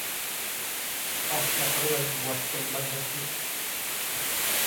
ออกจากเรือนบวชเป็นบรรพชิต